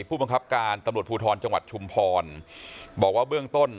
ผู้บังคับการตำรวจภูทรจังหวัดชุมพรบอกว่าเบื้องต้น